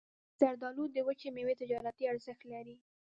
زردالو د وچې میوې تجارتي ارزښت لري.